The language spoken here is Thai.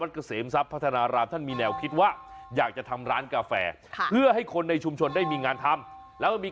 อ่านสคริปต์ไปด้วยแล้วหันไปเห็นภาพพอดี